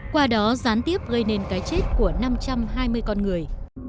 qua đó gián tiếp gây nên cái chết của năm trăm hai mươi con người